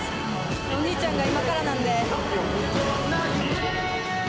お兄ちゃんが今からなので。